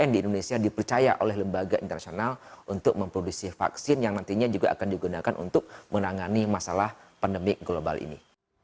yang di indonesia dipercaya oleh lembaga internasional untuk memproduksi vaksin yang nantinya juga akan digunakan untuk menangani masalah pandemi global ini